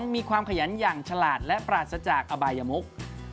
มีความขยันอย่างฉลาดและปราศจากอบายมุก